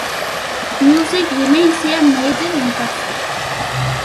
Music remains a major interest.